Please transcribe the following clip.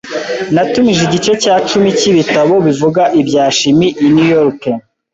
Natumije igice cya cumi cyibitabo bivuga ibya chimie i New York.